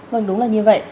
vâng đúng là như vậy